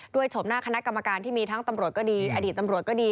ชมหน้าคณะกรรมการที่มีทั้งตำรวจก็ดีอดีตตำรวจก็ดี